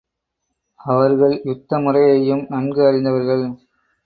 அவர்கள் யுத்த முறையையும் நன்கு அறிந்தவர்கள்.